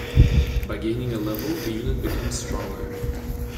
By gaining a level a unit becomes stronger.